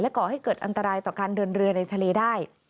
ก่อให้เกิดอันตรายต่อการเดินเรือในทะเลได้